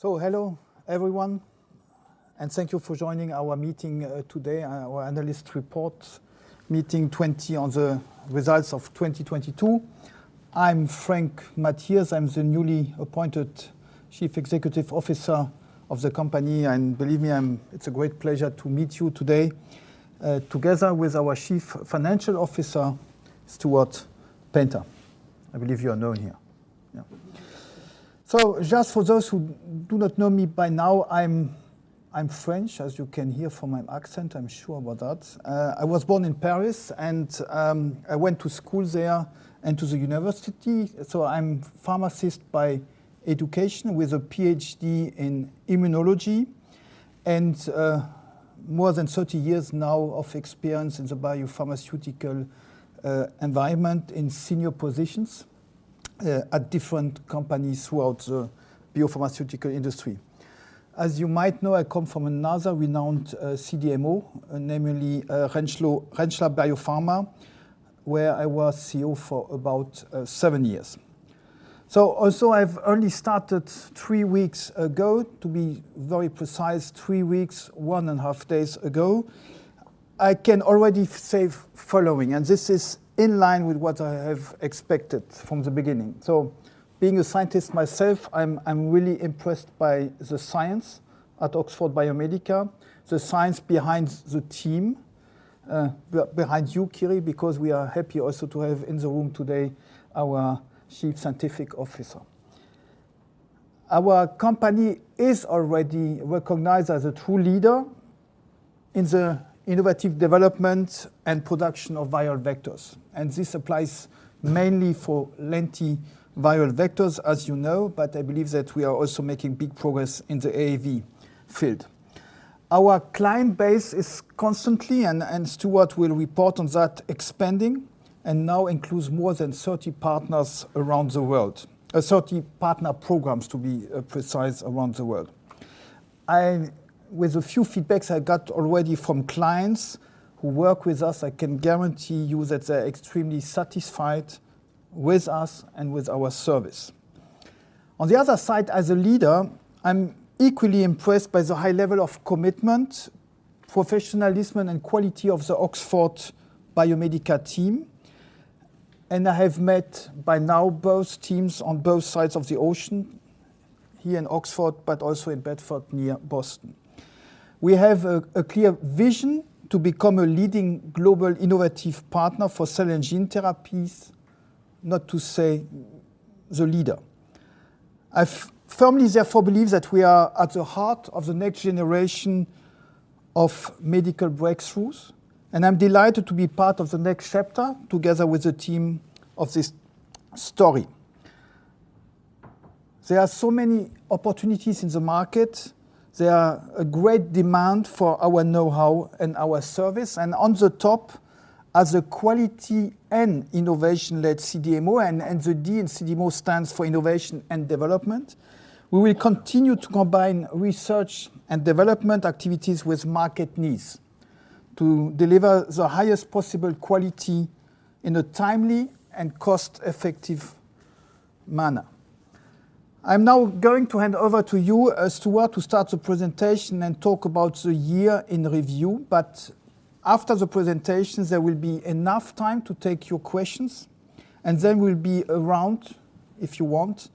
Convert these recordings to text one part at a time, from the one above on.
Hello everyone, and thank you for joining our meeting today, our analyst report, meeting 20 on the results of 2022. I'm Frank Mathias. I'm the newly appointed Chief Executive Officer of the company, and believe me, it's a great pleasure to meet you today, together with our Chief Financial Officer, Stuart Paynter. I believe you all know him. Yeah. Just for those who do not know me by now, I'm French, as you can hear from my accent, I'm sure about that. I was born in Paris, and I went to school there and to the university. I'm pharmacist by education with a PhD in immunology and more than 30-years now of experience in the biopharmaceutical environment, in senior positions at different companies throughout the biopharmaceutical industry. As you might know, I come from another renowned CDMO, namely Rentschler Biopharma, where I was CEO for about seven years. Also I've only started three weeks ago, to be very precise, three weeks, one and a half days ago. I can already say following, and this is in line with what I have expected from the beginning. Being a scientist myself, I'm really impressed by the science at Oxford Biomedica, the science behind the team, behind you, Kyri, because we are happy also to have in the room today our Chief Scientific Officer. Our company is already recognized as a true leader in the innovative development and production of viral vectors, and this applies mainly for lentiviral vectors, as you know, but I believe that we are also making big progress in the AAV field. Our client base is constantly, and Stuart will report on that, expanding and now includes more than 30 partners around the world. 30 partner programs, to be precise, around the world. With a few feedbacks I got already from clients who work with us, I can guarantee you that they're extremely satisfied with us and with our service. On the other side, as a leader, I'm equally impressed by the high level of commitment, professionalism, and quality of the Oxford Biomedica team, and I have met by now both teams on both sides of the ocean, here in Oxford, but also in Bedford, near Boston. We have a clear vision to become a leading global innovative partner for cell and gene therapies, not to say the leader. I firmly therefore believe that we are at the heart of the next generation of medical breakthroughs. I'm delighted to be part of the next chapter together with the team of this story. There are so many opportunities in the market. There are a great demand for our know-how and our service. On the top, as a quality and innovation-led CDMO, and the D in CDMO stands for innovation and development, we will continue to combine research and development activities with market needs to deliver the highest possible quality in a timely and cost-effective manner. I'm now going to hand over to you, Stuart, to start the presentation and talk about the year in review. After the presentations, there will be enough time to take your questions. We'll be around if you want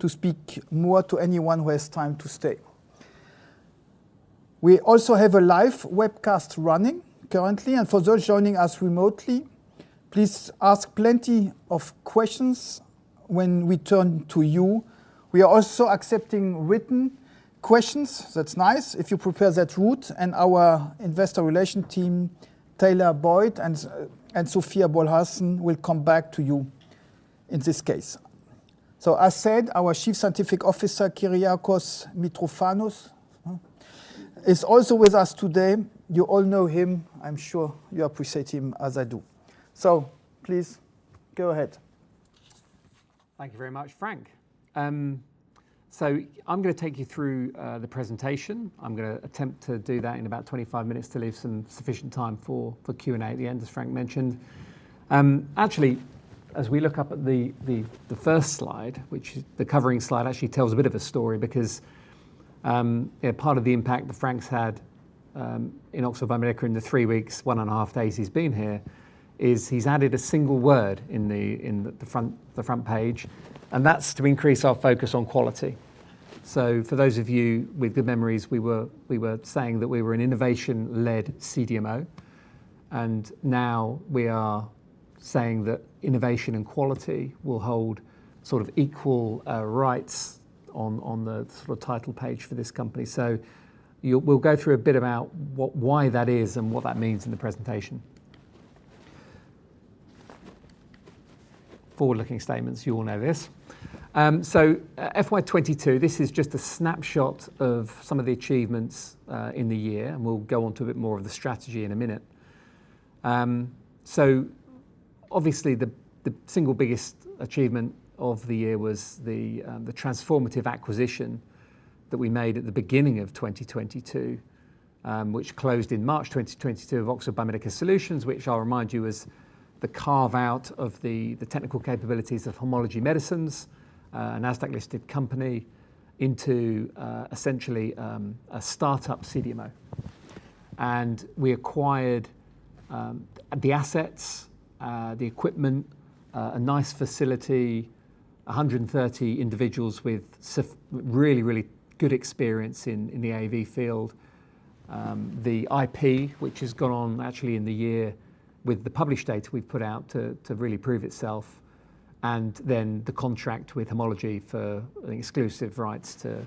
to speak more to anyone who has time to stay. We have a live webcast running currently. For those joining us remotely, please ask plenty of questions when we turn to you. We are accepting written questions, that's nice, if you prefer that route. Our Investor Relations team, Taylor Boyd and Sophia Bolhassan, will come back to you in this case. As said, our Chief Scientific Officer, Kyriacos Mitrophanous, is also with us today. You all know him. I'm sure you appreciate him as I do. Please go ahead. Thank you very much, Frank. I'm gonna take you through the presentation. I'm gonna attempt to do that in about 25-minutes to leave some sufficient time for Q&A at the end, as Frank mentioned. Actually, as we look up at the first slide, which is the covering slide, actually tells a bit of a story because, you know, part of the impact that Frank's had in Oxford Biomedica in the three weeks, one and a half days he's been here, is he's added a one word in the front page, and that's to increase our focus on quality. For those of you with good memories, we were saying that we were an innovation-led CDMO, and now we are saying that innovation and quality will hold sort of equal rights on the sort of title page for this company. We'll go through a bit about why that is and what that means in the presentation. Forward-looking statements, you all know this. FY 2022, this is just a snapshot of some of the achievements in the year, and we'll go on to a bit more of the strategy in a minute. obviously the single biggest achievement of the year was the transformative acquisition that we made at the beginning of 2022, which closed in March 2022 of Oxford Biomedica Solutions, which I'll remind you is the carve-out of the technical capabilities of Homology Medicines, a Nasdaq-listed company, into essentially a startup CDMO. We acquired the assets, the equipment, a nice facility, 130 individuals with really, really good experience in the AAV field, the IP, which has gone on actually in the year with the published data we've put out to really prove itself, and then the contract with Homology for exclusive rights to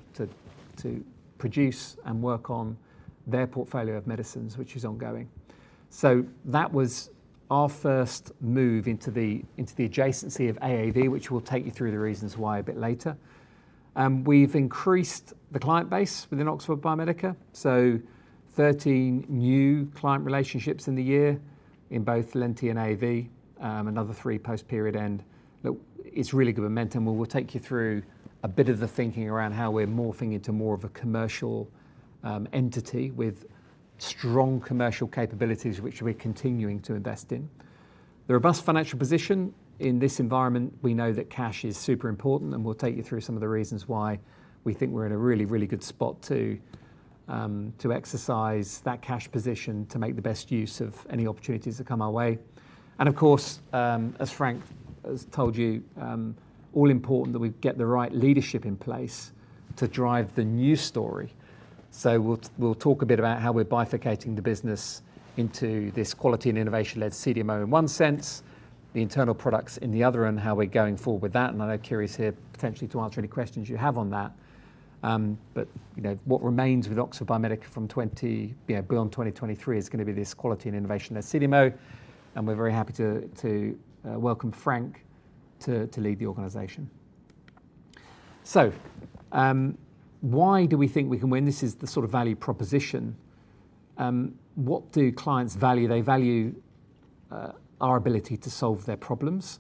produce and work on their portfolio of medicines, which is ongoing. That was our first move into the, into the adjacency of AAV, which we'll take you through the reasons why a bit later. We've increased the client base within Oxford Biomedica, so 13 new client relationships in the year in both Lenti and AAV, another three post-period end. It's really good momentum and we'll take you through a bit of the thinking around how we're morphing into more of a commercial entity with strong commercial capabilities, which we're continuing to invest in. The robust financial position in this environment, we know that cash is super important, and we'll take you through some of the reasons why we think we're in a really, really good spot to exercise that cash position to make the best use of any opportunities that come our way. Of course, as Frank Mathias has told you, all important that we get the right leadership in place to drive the new story. We'll, we'll talk a bit about how we're bifurcating the business into this quality and innovation-led CDMO in one sense, the internal products in the other, and how we're going forward with that. I know Kyri's here potentially to answer any questions you have on that. You know, what remains with Oxford Biomedica from 20, you know, beyond 2023 is gonna be this quality and innovation at CDMO, and we're very happy to welcome Frank Mathias to lead the organization. Why do we think we can win? This is the sort of value proposition. What do clients value? They value, our ability to solve their problems.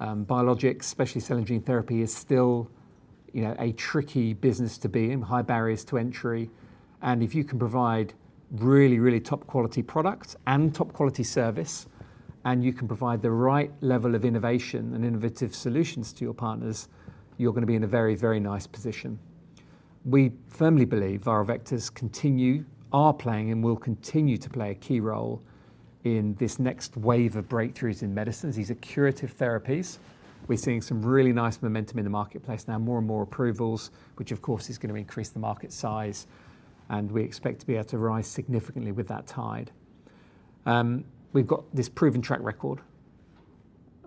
Biologics, especially cell and gene therapy, is still, you know, a tricky business to be in, high barriers to entry. If you can provide really, really top-quality products and top-quality service, and you can provide the right level of innovation and innovative solutions to your partners, you're gonna be in a very, very nice position. We firmly believe viral vectors continue, are playing and will continue to play a key role in this next wave of breakthroughs in medicines. These are curative therapies. We're seeing some really nice momentum in the marketplace now, more and more approvals, which of course is gonna increase the market size, and we expect to be able to rise significantly with that tide. We've got this proven track record.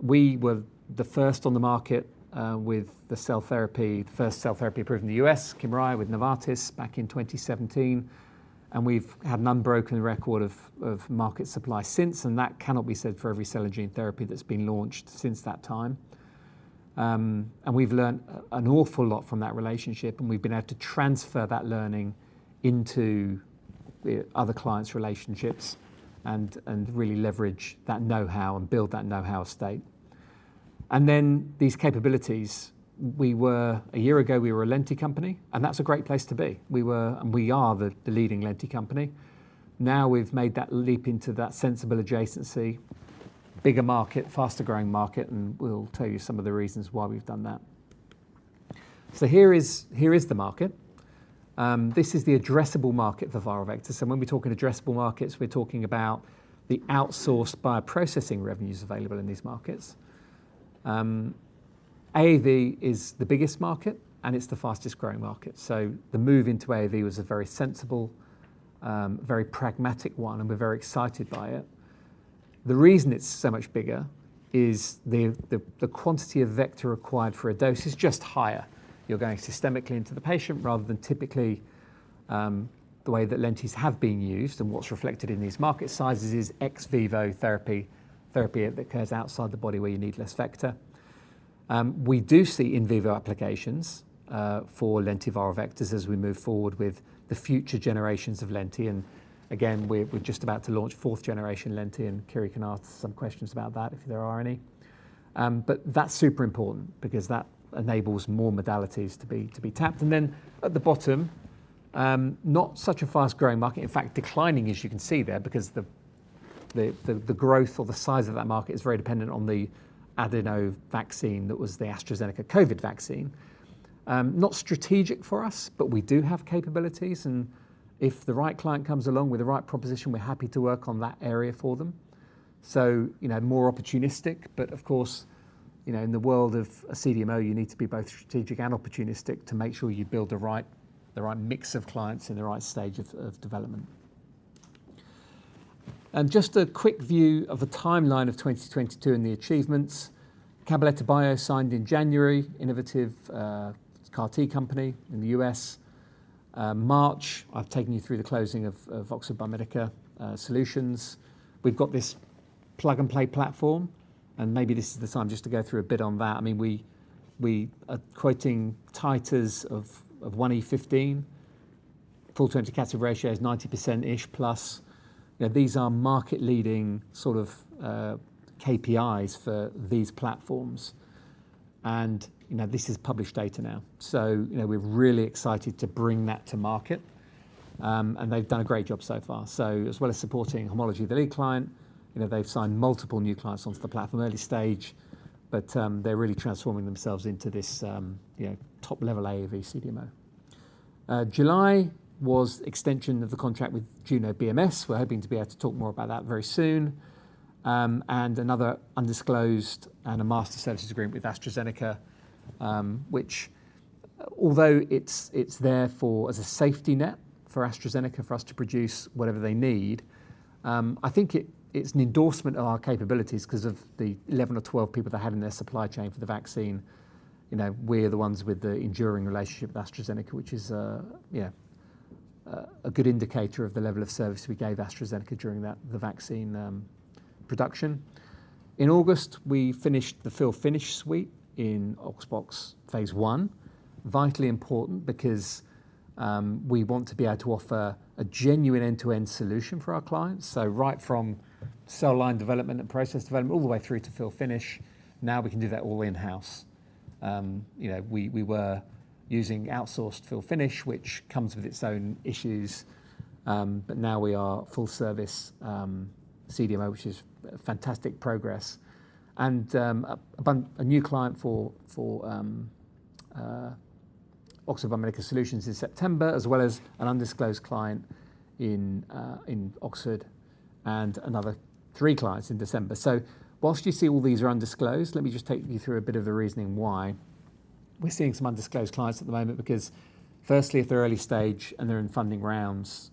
We were the first on the market with the cell therapy, the first cell therapy approved in the U.S., Kymriah with Novartis back in 2017. We've had an unbroken record of market supply since, and that cannot be said for every cell and gene therapy that's been launched since that time. We've learnt an awful lot from that relationship, and we've been able to transfer that learning into the other clients' relationships and really leverage that know-how and build that know-how state. These capabilities. We were, a year ago, we were a Lenti company, and that's a great place to be. We were, and we are the leading Lenti company. Now we've made that leap into that sensible adjacency, bigger market, faster-growing market, and we'll tell you some of the reasons why we've done that. Here is the market. This is the addressable market for viral vectors, and when we talk in addressable markets, we're talking about the outsourced bioprocessing revenues available in these markets. AAV is the biggest market, and it's the fastest-growing market. The move into AAV was a very sensible, very pragmatic one, and we're very excited by it. The reason it's so much bigger is the quantity of vector required for a dose is just higher. You're going systemically into the patient rather than typically the way that Lentis have been used and what's reflected in these market sizes is ex vivo therapy that occurs outside the body where you need less vector. We do see in vivo applications for lentiviral vectors as we move forward with the future generations of Lenti and again, we're just about to launch fourth generation Lenti, and Kyri can answer some questions about that if there are any. That's super important because that enables more modalities to be tapped. At the bottom, not such a fast-growing market, in fact, declining as you can see there because the growth or the size of that market is very dependent on the adeno vaccine that was the AstraZeneca COVID vaccine. Not strategic for us, but we do have capabilities and if the right client comes along with the right proposition, we're happy to work on that area for them. You know, more opportunistic, but of course, you know, in the world of a CDMO, you need to be both strategic and opportunistic to make sure you build the right mix of clients in the right stage of development. Just a quick view of the timeline of 2022 and the achievements. Cabaletta Bio signed in January, innovative CAR-T company in the U.S. March, I've taken you through the closing of Oxford Biomedica Solutions. We've got this plug and play platform, and maybe this is the time just to go through a bit on that. I mean, we are quoting titers of 1E15. full-to-empty capsid ratio is 90%-ish plus. You know, these are market leading sort of KPIs for these platforms. You know, this is published data now. You know, we're really excited to bring that to market, and they've done a great job so far. As well as supporting Homology, the lead client, you know, they've signed multiple new clients onto the platform early stage, but they're really transforming themselves into this, you know, top-level AAV CDMO. July was extension of the contract with Juno BMS. We're hoping to be able to talk more about that very soon. Another undisclosed and a master services agreement with AstraZeneca, which although it's there for as a safety net for AstraZeneca for us to produce whatever they need, I think it's an endorsement of our capabilities 'cause of the 11 or 12 people they had in their supply chain for the vaccine. You know, we're the ones with the enduring relationship with AstraZeneca, which is a good indicator of the level of service we gave AstraZeneca during that, the vaccine production. In August, we finished the fill finish suite in Oxbox phase I. Vitally important because we want to be able to offer a genuine end-to-end solution for our clients. Right from cell line development and process development all the way through to fill finish, now we can do that all in-house. You know, we were using outsourced fill finish, which comes with its own issues, but now we are full service CDMO, which is fantastic progress. A new client for Oxford Biomedica Solutions in September, as well as an undisclosed client in Oxford and another three clients in December. Whilst you see all these are undisclosed, let me just take you through a bit of the reasoning why. We're seeing some undisclosed clients at the moment because firstly, if they're early stage and they're in funding rounds,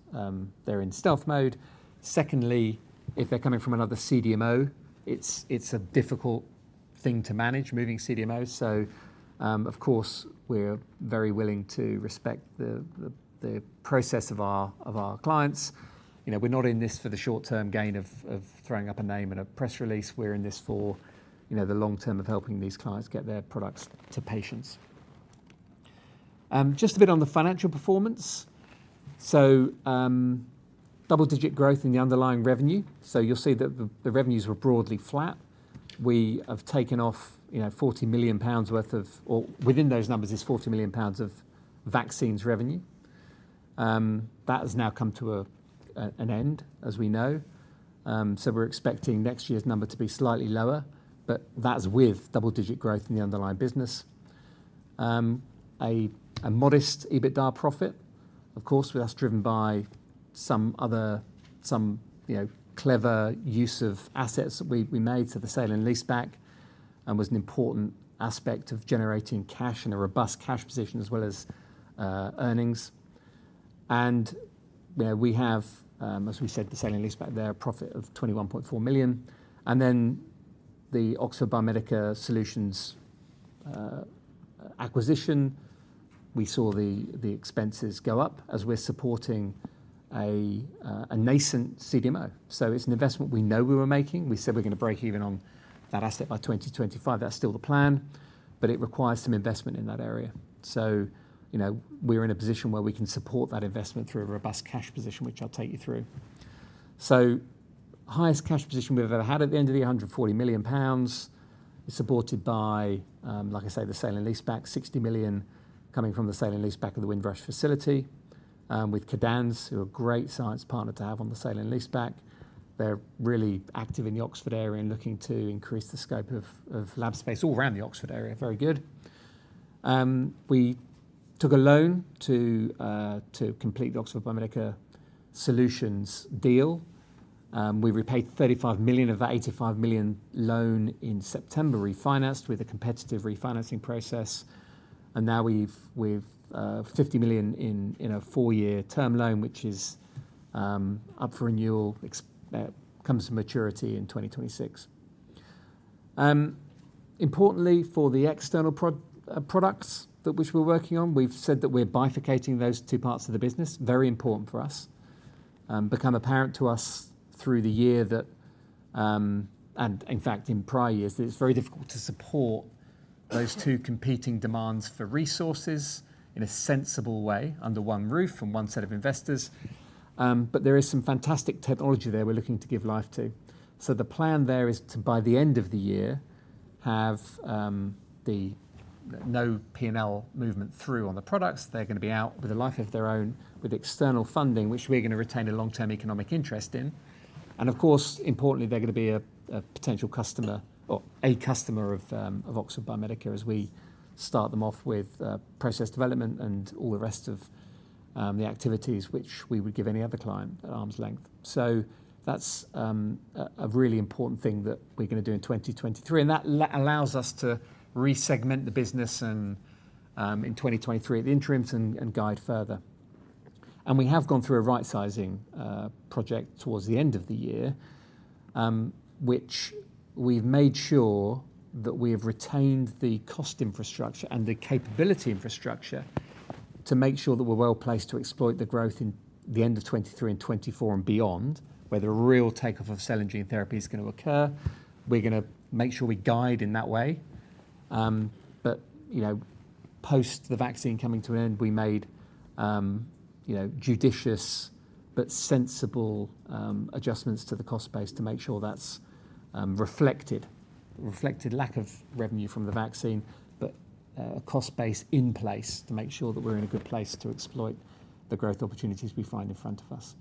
they're in stealth mode. Secondly, if they're coming from another CDMO, it's a difficult thing to manage moving CDMOs. Of course, we're very willing to respect the process of our clients. You know, we're not in this for the short-term gain of throwing up a name in a press release. We're in this for, you know, the long term of helping these clients get their products to patients. Just a bit on the financial performance. Double-digit growth in the underlying revenue. You'll see that the revenues were broadly flat. We have taken off, you know, 40 million pounds worth of, or within those numbers is 40 million pounds of vaccines revenue. That has now come to an end, as we know. We're expecting next year's number to be slightly lower, but that's with double-digit growth in the underlying business. A modest EBITDA profit, of course, with us driven by some other, you know, clever use of assets that we made. The sale and leaseback was an important aspect of generating cash and a robust cash position as well as earnings. You know, we have, as we said, the sale and leaseback there, a profit of 21.4 million. The Oxford Biomedica Solutions acquisition, we saw the expenses go up as we're supporting a nascent CDMO. It's an investment we know we were making. We said we're gonna break even on that asset by 2025. That's still the plan, it requires some investment in that area. You know, we're in a position where we can support that investment through a robust cash position, which I'll take you through. Highest cash position we've ever had at the end of the year, 140 million pounds, supported by, like I say, the sale and leaseback, 60 million coming from the sale and leaseback of the Windrush facility, with Kadans, who are a great science partner to have on the sale and leaseback. They're really active in the Oxford area and looking to increase the scope of lab space all around the Oxford area. Very good. We took a loan to complete the Oxford Biomedica Solutions deal. We repaid 35 million of that 85 million loan in September, refinanced with a competitive refinancing process. Now we've 50 million in a four year term loan, which is up for renewal, comes to maturity in 2026. Importantly for the external products that which we're working on, we've said that we're bifurcating those two parts of the business, very important for us. Become apparent to us through the year that, and in fact in prior years, that it's very difficult to support those two competing demands for resources in a sensible way under one roof and one set of investors. There is some fantastic technology there we're looking to give life to. The plan there is to, by the end of the year, have the no P&L movement through on the products. They're gonna be out with a life of their own with external funding, which we're gonna retain a long-term economic interest in. Of course, importantly, they're gonna be a potential customer or a customer of Oxford Biomedica as we start them off with process development and all the rest of the activities which we would give any other client at arm's length. That's a really important thing that we're gonna do in 2023, and that allows us to re-segment the business and in 2023 at the interim and guide further. We have gone through a right-sizing project towards the end of the year, which we've made sure that we have retained the cost infrastructure and the capability infrastructure to make sure that we're well-placed to exploit the growth in the end of 2023 and 2024 and beyond, where the real takeoff of cell and gene therapy is gonna occur. We're gonna make sure we guide in that way. You know, post the vaccine coming to an end, we made, you know, judicious but sensible adjustments to the cost base to make sure that's reflected. Reflected lack of revenue from the vaccine, but a cost base in place to make sure that we're in a good place to exploit the growth opportunities we find in front of us.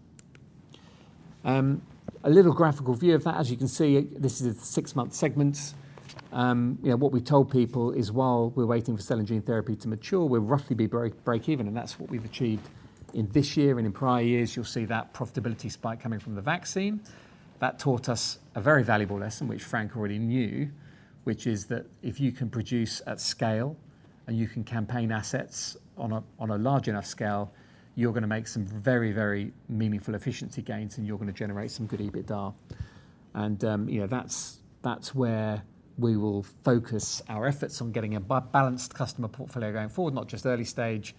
A little graphical view of that. As you can see, this is six month segments. You know, what we told people is while we're waiting for cell and gene therapy to mature, we'll roughly be break even, and that's what we've achieved in this year and in prior years. You'll see that profitability spike coming from the vaccine. That taught us a very valuable lesson, which Frank already knew, which is that if you can produce at scale, and you can campaign assets on a large enough scale, you're gonna make some very, very meaningful efficiency gains, and you're gonna generate some good EBITDA. You know, that's where we will focus our efforts on getting a balanced customer portfolio going forward, not just early stage,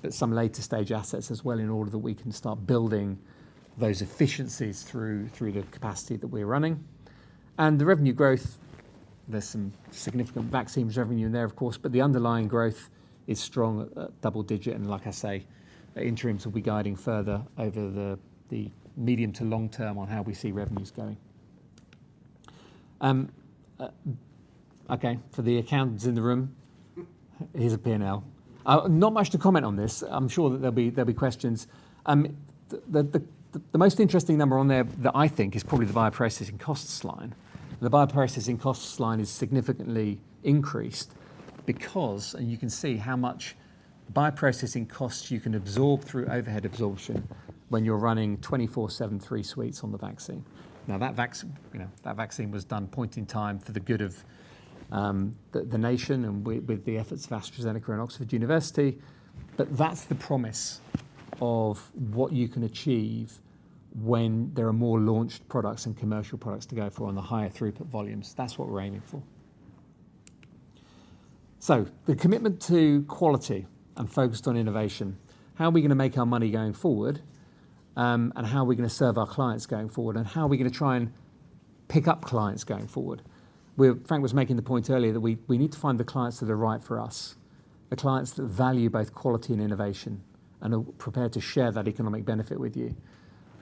but some later stage assets as well in order that we can start building those efficiencies through the capacity that we're running. The revenue growth, there's some significant vaccines revenue in there, of course, but the underlying growth is strong at double-digit. Like I say, interims will be guiding further over the medium to long term on how we see revenues going. Okay, for the accountants in the room, here's a P&L. Not much to comment on this. I'm sure that there'll be questions. The most interesting number on there that I think is probably the bioprocessing costs line. The bioprocessing costs line is significantly increased because you can see how much bioprocessing costs you can absorb through overhead absorption when you're running 24/7, three suites on the vaccine. That vaccine, you know, that vaccine was done point in time for the good of the nation and with the efforts of AstraZeneca and Oxford University. That's the promise of what you can achieve when there are more launched products and commercial products to go for on the higher throughput volumes. That's what we're aiming for. The commitment to quality and focused on innovation. How are we gonna make our money going forward? How are we gonna serve our clients going forward? How are we gonna try and pick up clients going forward? Frank was making the point earlier that we need to find the clients that are right for us. The clients that value both quality and innovation and are prepared to share that economic benefit with you.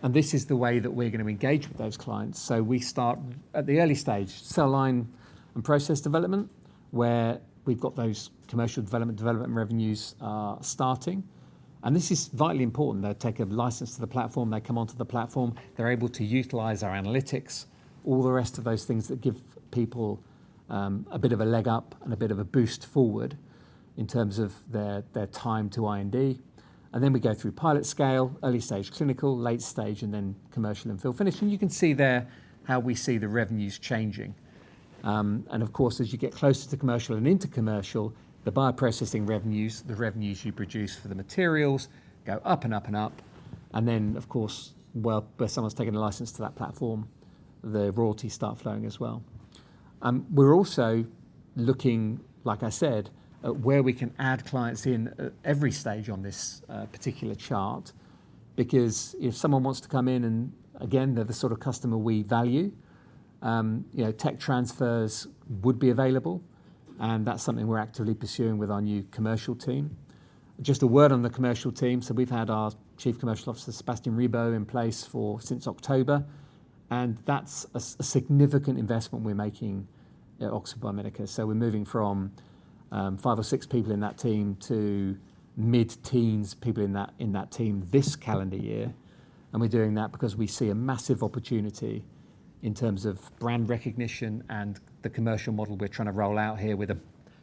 This is the way that we're gonna engage with those clients. We start at the early stage, cell line and process development, where we've got those commercial development revenues are starting. This is vitally important. They'll take a license to the platform, they come onto the platform, they're able to utilize our analytics, all the rest of those things that give people a bit of a leg up and a bit of a boost forward in terms of their time to R&D. Then we go through pilot scale, early stage clinical, late stage, and then commercial and fill finish. You can see there how we see the revenues changing. Of course, as you get closer to commercial and into commercial, the bioprocessing revenues, the revenues you produce for the materials go up and up and up. Of course, well, where someone's taken a license to that platform, the royalties start flowing as well. We're also looking, like I said, at where we can add clients in at every stage on this particular chart, because if someone wants to come in and again, they're the sort of customer we value, you know, tech transfers would be available, and that's something we're actively pursuing with our new commercial team. Just a word on the commercial team. We've had our Chief Commercial Officer, Sébastien Ribault, in place for since October, and that's a significant investment we're making at Oxford Biomedica. We're moving from five or six people in that team to mid-teens people in that team this calendar year. We're doing that because we see a massive opportunity in terms of brand recognition and the commercial model we're trying to roll out here with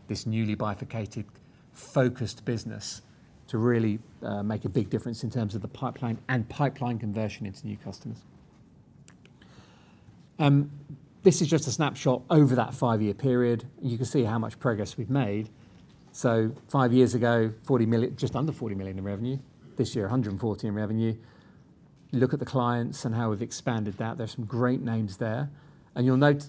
this newly bifurcated focused business to really make a big difference in terms of the pipeline and pipeline conversion into new customers. This is just a snapshot over that five year period. You can see how much progress we've made. Five years ago, just under 40 million in revenue. This year, 114 in revenue. Look at the clients and how we've expanded that. There's some great names there. You'll note,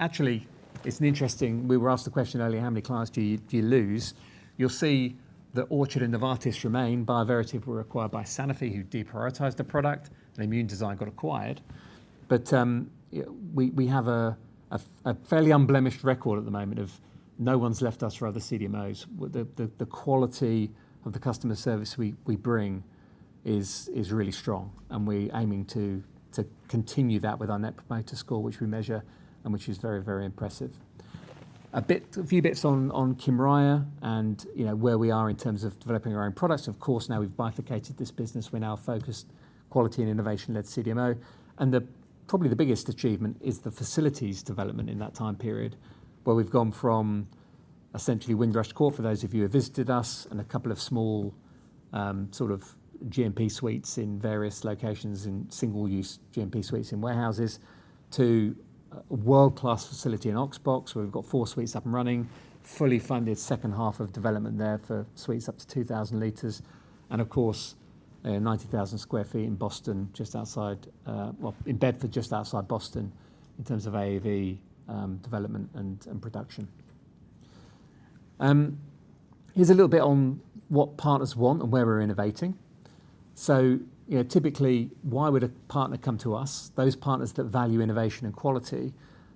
we were asked a question earlier, how many clients do you lose? You'll see that Orchard and Novartis remain. Bioverativ were acquired by Sanofi, who deprioritized the product, and Immune Design got acquired. We have a fairly unblemished record at the moment of no one's left us for other CDMOs. The quality of the customer service we bring is really strong, and we're aiming to continue that with our Net Promoter Score, which we measure and which is very, very impressive. A few bits on Kymriah and, you know, where we are in terms of developing our own products. Of course, now we've bifurcated this business, we're now a focused quality and innovation-led CDMO. Probably the biggest achievement is the facilities development in that time period, where we've gone from essentially Windrush Court, for those of you who have visited us, and a couple of small, sort of GMP suites in various locations and single-use GMP suites in warehouses to a world-class facility in OxBox, where we've got four suites up and running. Fully funded second half of development there for suites up to 2,000 liters and of course, 90,000 sq ft in Boston, just outside, well, in Bedford, just outside Boston, in terms of AAV development and production. Here's a little bit on what partners want and where we're innovating. You know, typically, why would a partner come to us? Those partners that value innovation and quality,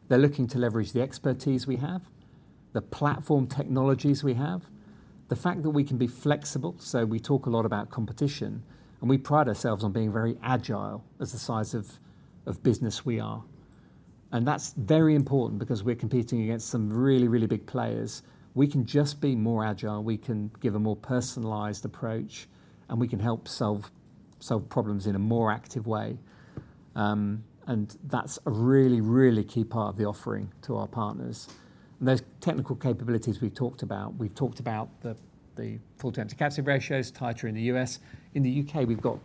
they're looking to leverage the expertise we have, the platform technologies we have, the fact that we can be flexible. We talk a lot about competition, and we pride ourselves on being very agile as the size of business we are. That's very important because we're competing against some really, really big players. We can just be more agile, we can give a more personalized approach, and we can help solve problems in a more active way. That's a really, really key part of the offering to our partners. Those technical capabilities we've talked about. We've talked about the full-to-empty capsid ratios, titer in the U.S. In the U.K., we've got,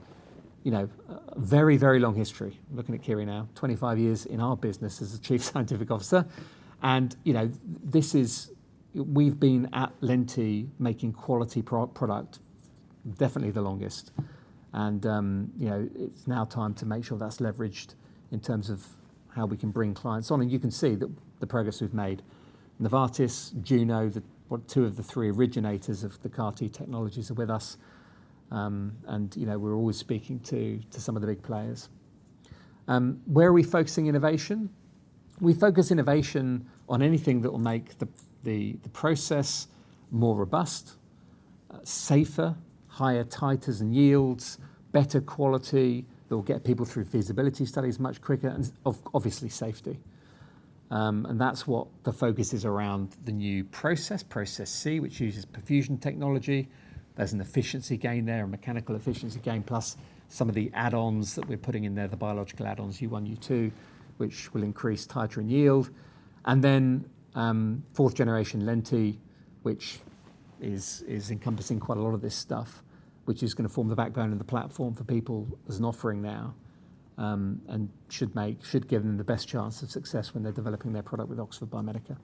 you know, a very, very long history. Looking at Kyri now, 25-years in our business as a Chief Scientific Officer. You know, we've been at Lenti making quality product definitely the longest. You know, it's now time to make sure that's leveraged in terms of how we can bring clients on. You can see the progress we've made. Novartis, Juno, the what two of the three originators of the CAR-T technologies are with us. You know, we're always speaking to some of the big players. Where are we focusing innovation? We focus innovation on anything that will make the process more robust, safer, higher titers and yields, better quality. It'll get people through feasibility studies much quicker and obviously safety. That's what the focus is around the new process, Process C, which uses perfusion technology. There's an efficiency gain there, a mechanical efficiency gain, plus some of the add-ons that we're putting in there, the biological add-ons, U1, U2, which will increase titer and yield. Then, 4th generation Lenti, which is encompassing quite a lot of this stuff, which is gonna form the backbone and the platform for people as an offering now, and should give them the best chance of success when they're developing their product with Oxford Biomedica.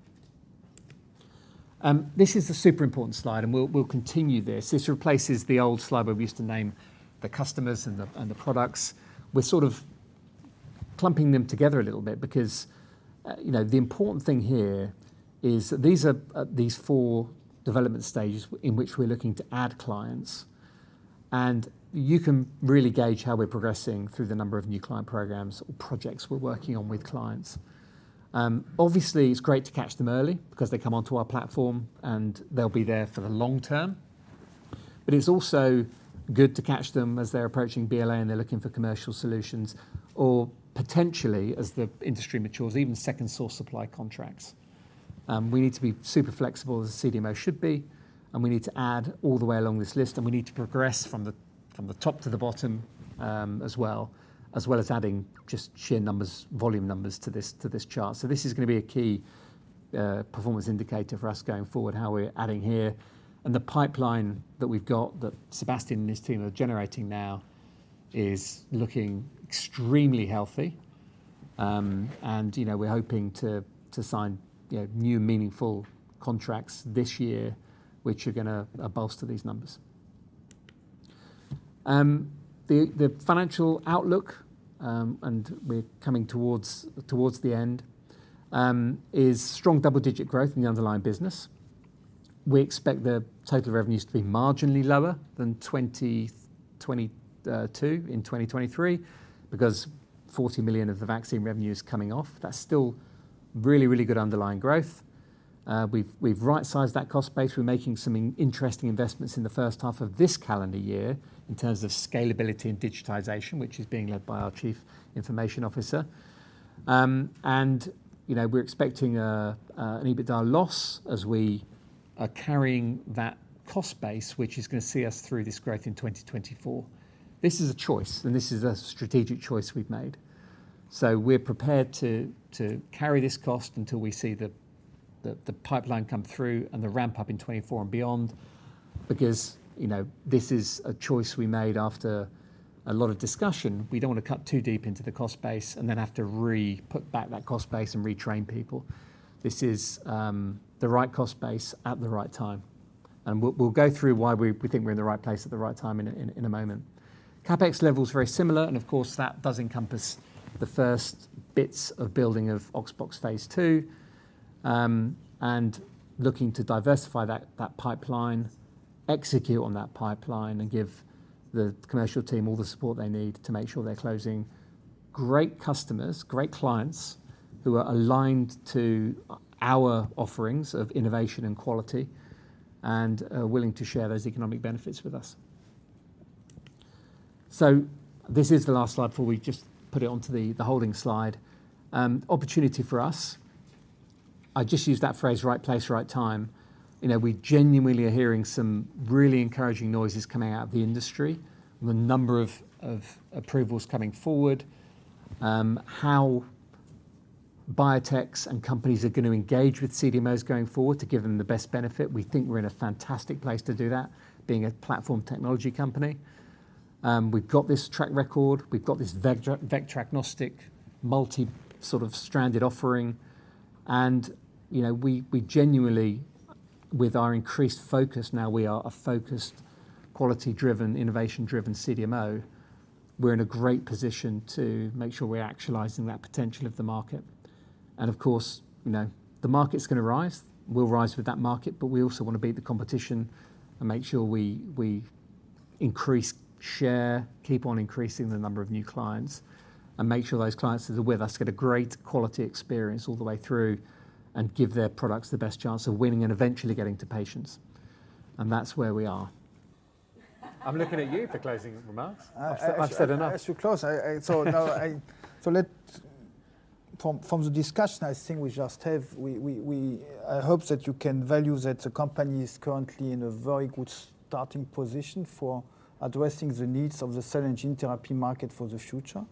This is a super important slide, and we'll continue this. This replaces the old slide where we used to name the customers and the products. We're sort of clumping them together a little bit because, you know, the important thing here is these are, these four development stages in which we're looking to add clients. You can really gauge how we're progressing through the number of new client programs or projects we're working on with clients. Obviously, it's great to catch them early because they come onto our platform, and they'll be there for the long term. It's also good to catch them as they're approaching BLA, and they're looking for commercial solutions or potentially, as the industry matures, even second-source supply contracts. We need to be super flexible as a CDMO should be, and we need to add all the way along this list, and we need to progress from the top to the bottom, as well as adding just sheer numbers, volume numbers to this, to this chart. This is gonna be a key performance indicator for us going forward, how we're adding here. The pipeline that we've got, that Sebastian and his team are generating now is looking extremely healthy. you know, we're hoping to sign, you know, new meaningful contracts this year, which are gonna bolster these numbers. The financial outlook, and we're coming towards the end, is strong double-digit growth in the underlying business. We expect the total revenues to be marginally lower than 2022 in 2023 because 40 million of the vaccine revenue is coming off. That's still really, really good underlying growth. We've right-sized that cost base. We're making some interesting investments in the first half of this calendar year in terms of scalability and digitization, which is being led by our Chief Information Officer. You know, we're expecting an EBITDA loss as we are carrying that cost base, which is gonna see us through this growth in 2024. This is a choice, this is a strategic choice we've made. We're prepared to carry this cost until we see the pipeline come through and the ramp-up in 2024 and beyond because, you know, this is a choice we made after a lot of discussion. We don't want to cut too deep into the cost base and then have to re-put back that cost base and retrain people. This is the right cost base at the right time. We'll go through why we think we're in the right place at the right time in a moment. CapEx level is very similar, and of course, that does encompass the first bits of building of Oxbox phase 2, and looking to diversify that pipeline, execute on that pipeline, and give the commercial team all the support they need to make sure they're closing great customers, great clients who are aligned to our offerings of innovation and quality and are willing to share those economic benefits with us. This is the last slide before we just put it onto the holding slide. Opportunity for us. I just used that phrase, right place, right time. You know, we genuinely are hearing some really encouraging noises coming out of the industry on the number of approvals coming forward, how biotechs and companies are gonna engage with CDMOs going forward to give them the best benefit. We think we're in a fantastic place to do that, being a platform technology company. We've got this track record, we've got this vector-agnostic multi sort of stranded offering, and, you know, we genuinely, with our increased focus now, we are a focused, quality-driven, innovation-driven CDMO. We're in a great position to make sure we're actualizing that potential of the market. Of course, you know, the market's gonna rise. We'll rise with that market, but we also wanna beat the competition and make sure we increase share, keep on increasing the number of new clients, and make sure those clients that are with us get a great quality experience all the way through and give their products the best chance of winning and eventually getting to patients. That's where we are. I'm looking at you for closing remarks. I've said enough. I should close. From the discussion I think we just have, we... I hope that you can value that the company is currently in a very good starting position for addressing the needs of the cell and gene therapy market for the future.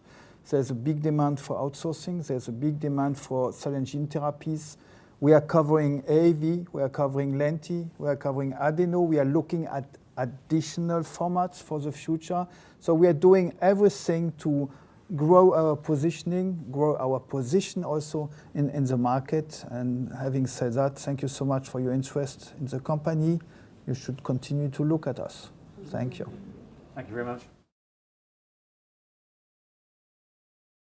There's a big demand for outsourcing. There's a big demand for cell and gene therapies. We are covering AAV, we are covering Lenti, we are covering Adenovirus. We are looking at additional formats for the future. We are doing everything to grow our positioning, grow our position also in the market. Having said that, thank you so much for your interest in the company. You should continue to look at us. Thank you. Thank you very much.